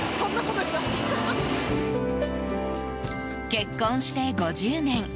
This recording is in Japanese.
結婚して５０年。